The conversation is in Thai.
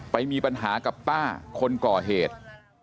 ไปมีปัญหากับป้าคนก่อเหตุ